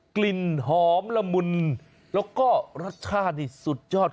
กลิ่นหอมละมุนแล้วก็รสชาตินี่สุดยอด